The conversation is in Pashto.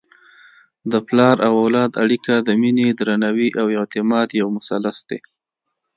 د پلار او اولاد اړیکه د مینې، درناوي او اعتماد یو مثلث دی.